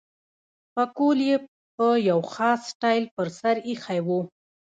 پکول یې په یو خاص سټایل پر سر اېښی وو.